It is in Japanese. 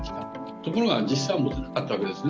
ところが実際は持てなかったわけですね。